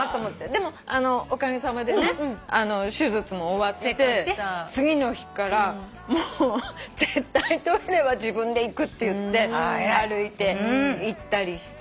でもおかげさまでね手術も終わって次の日から絶対トイレは自分で行くって言って歩いて行ったりして。